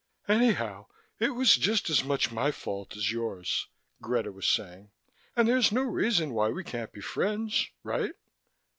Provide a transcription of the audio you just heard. "Anyhow, it was just as much my fault as yours," Greta was saying. "And there's no reason why we can't be friends. All right?"